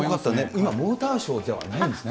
今、モーターショーではないんですね。